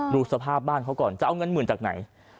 ดูสภาพบ้านเขาก่อนจะเอาเงินหมื่นจากไหน